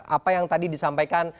apa yang tadi disampaikan